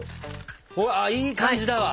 うわいい感じだわ！